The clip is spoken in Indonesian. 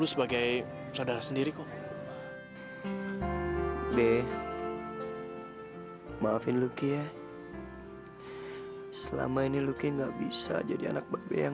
sampai jumpa di video selanjutnya